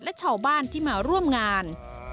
และชาวบ้านที่มาร่วมงาน